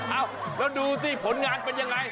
เอ้าแล้วดูสิผลงานเป็นยังไง